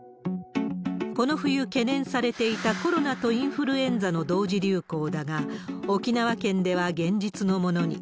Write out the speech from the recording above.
この冬懸念されていたコロナとインフルエンザの同時流行だが、沖縄県では現実のものに。